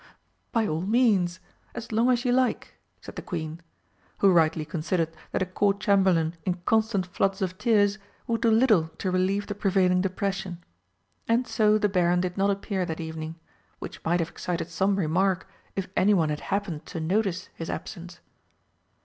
"By all means as long as you like," said the Queen, who rightly considered that a Court Chamberlain in constant floods of tears would do little to relieve the prevailing depression. And so the Baron did not appear that evening, which might have excited some remark if anyone had happened to notice his absence.